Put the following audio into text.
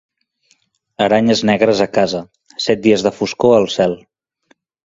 Aranyes negres a casa, set dies de foscor al cel.